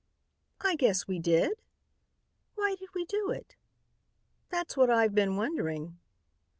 "I guess we did." "Why did we do it?" "That's what I've been wondering."